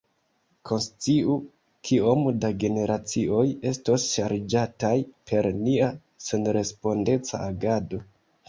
Konsciu, kiom da generacioj estos ŝarĝataj per nia senrespondeca agado.